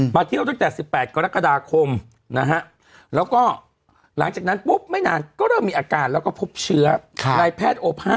มาเที่ยวตั้งแต่๑๘กรกฎาคมนะฮะ